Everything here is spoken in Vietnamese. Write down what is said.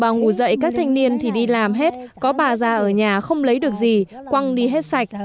nhiên thì đi làm hết có bà ra ở nhà không lấy được gì quăng đi hết sạch